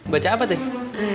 baca apa teh